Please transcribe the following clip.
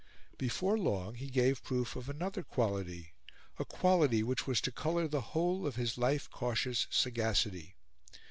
Before long he gave proof of another quality a quality which was to colour the whole of his life cautious sagacity.